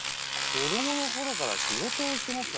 子どもの頃から仕事をしてますからね。